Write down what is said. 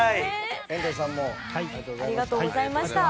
遠藤さんもありがとうございました。